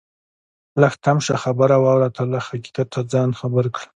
لږ تم شه خبره واوره ته له حقیقته ځان خبر کړه